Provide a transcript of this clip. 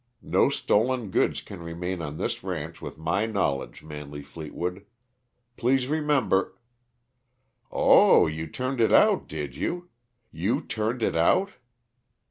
No stolen goods can remain on this ranch with my knowledge, Manley Fleetwood. Please remember " "Oh, you turned it out, did you? You turned it out?"